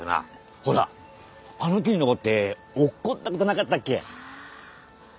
ほらあの木に登って落っこったことなかったっけ？